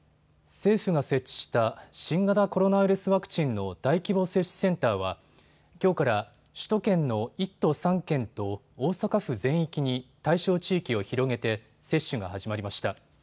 政府が設置した新型コロナウイルスワクチンの大規模接種センターはきょうから首都圏の１都３県と大阪府全域に対象地域を広げて接種が始まりました。